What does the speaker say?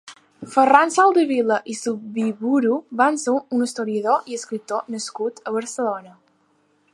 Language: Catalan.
Ferran Soldevila i Zubiburu va ser un historiador i escriptor nascut a Barcelona.